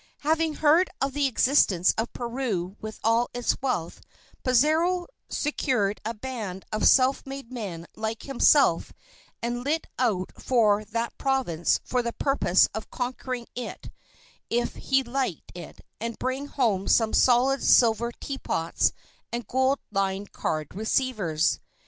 Having heard of the existence of Peru with all its wealth, Pizarro secured a band of self made men like himself and lit out for that province for the purpose of conquering it if he liked it and bringing home some solid silver teapots and gold lined card receivers.